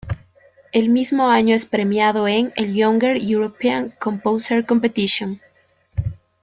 El mismo año es premiado en el "Younger European Composer Competition".